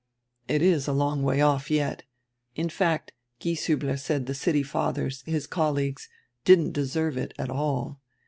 "It is a long way off yet. In fact, Gieshiihler said the city fathers, his colleagues, didn't deserve it at all.